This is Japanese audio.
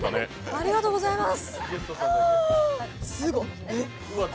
ありがとうございます。